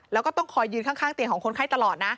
แล้วก็ต้องคอยยืนข้างเตียงของคนไข้ตลอดนะ